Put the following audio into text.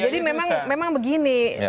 jadi memang begini